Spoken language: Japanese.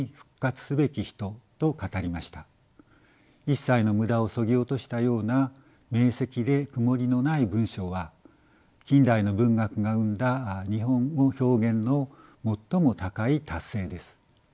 一切の無駄をそぎ落としたような明せきで曇りのない文章は近代の文学が生んだ日本語表現の最も高い達成です。